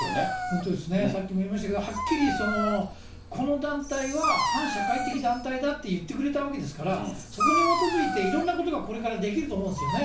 本当ですね、さっきも言いましたけど、はっきりこの団体は反社会的団体だって言ってくれたわけですから、そこに基づいていろんなことがこれからできると思うんですよね。